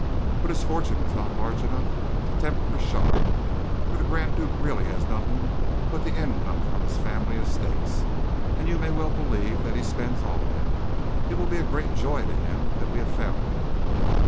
But his fortune was not large enough to tempt Crochard, for the Grand Duke really has nothing but the income from his family estates, and you may well believe that he spends all of it. It will be a great joy to him that we have found them."